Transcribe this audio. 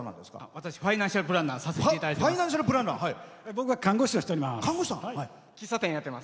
私ファイナンシャルプランナーさせていただいてます。